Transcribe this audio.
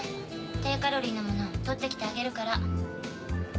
低カロリーのもの取ってきてあげるから。